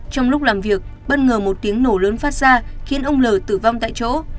trong lúc làm việc bất ngờ một tiếng nổ lớn phát ra khiến ông l tử vong tại chỗ